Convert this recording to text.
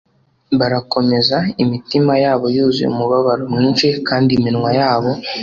Barakomeza, imitima yabo yuzuye umubabaro mwinshi kandi iminwa yabo